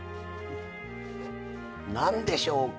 何でしょうか？